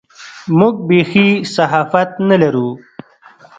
موږ بېخي صحافت نه لرو.